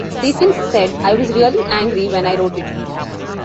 Stephens said I was really angry when I wrote it.